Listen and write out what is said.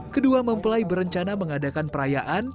kedua mempelai berencana mengadakan perayaan